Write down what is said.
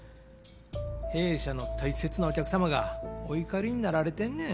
弊社の大切なお客様がお怒りになられてんねん。